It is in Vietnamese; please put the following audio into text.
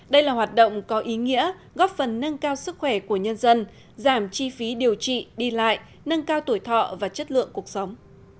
đây là hoạt động có ý nghĩa góp phần nâng cao sức khỏe của nhân dân giảm chi phí điều trị đi lại nâng cao tuổi thọ và chất lượng cuộc sống